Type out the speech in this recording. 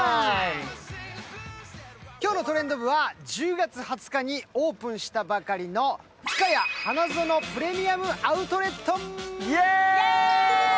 今日の「トレンド部」は１０月２０日にオープンしたばかりのふかや花園プレミアム・アウトレット！